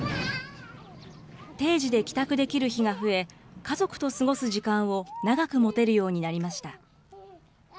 提示で帰宅できる日が増え、家族と過ごす時間を長く持てるようになりました。